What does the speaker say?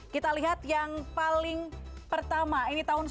kita lihat yang paling pertama ini tahun seribu sembilan ratus